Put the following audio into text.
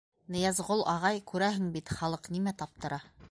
— Ныязғол ағай, күрәһең бит, халыҡ нимә таптыра?